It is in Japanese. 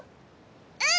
うん！